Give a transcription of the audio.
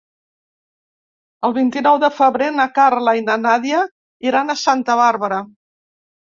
El vint-i-nou de febrer na Carla i na Nàdia iran a Santa Bàrbara.